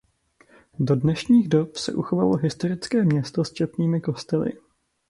Do dnešních dob se dochovalo historické město s četnými kostely.